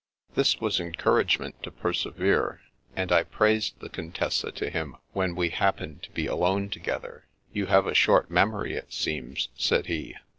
This was encouragement to persevere, and I praised the Contessa to him when we happened to be alone together. "You have a short memory, it seems," said he.